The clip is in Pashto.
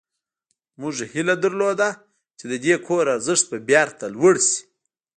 موږ هیله درلوده چې د دې کور ارزښت به بیرته لوړ شي